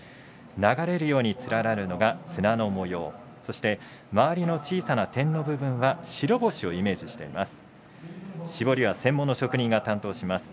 流れるように連なるのが綱の模様そして周りの小さな点の部分が白星をイメージしています。